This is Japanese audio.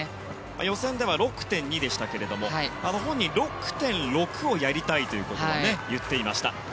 予選では６．２でしたが本人６．６をやりたいということを言っていました。